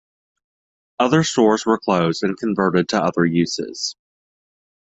Other stores were closed and converted to other uses.